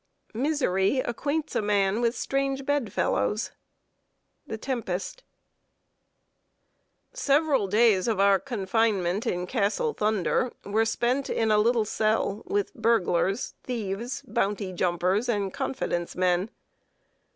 Misery acquaints a man with strange bed fellows. TEMPEST. [Sidenote: ASSISTANCE FROM A NEGRO BOY.] Several days of our confinement in Castle Thunder were spent in a little cell with burglars, thieves, "bounty jumpers," and confidence men.